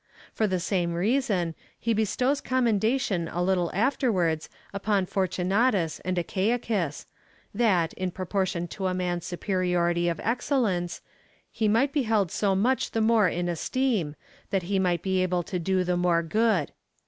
For the same reason, he bestows commenda tion a little afterwards upon Fortunatus and Achaicus, that, in proportion to a man's superiority of excellence,^ he might be held so much the more in esteem, that he might be able to do the more good.